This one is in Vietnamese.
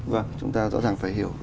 vâng chúng ta rõ ràng phải hiểu